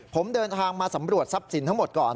ผมเดินทางมาสำรวจทรัพย์สินทั้งหมดก่อน